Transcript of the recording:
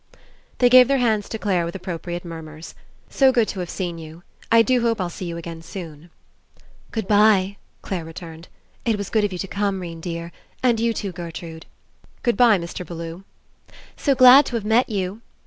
They gave their hands to Clare with appropriate murmurs. "So good to have seen you." ... "I do hope I'll see you again soon." "Good bye," Clare returned. "It was good of you to come, 'Rene dear. And you too, Gertrude." "Good bye, Mr. Bellew." ... "So glad to have met you."